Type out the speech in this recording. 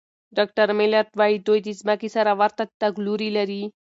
ډاکټر میلرډ وايي، دوی د ځمکې سره ورته تګلوري لري.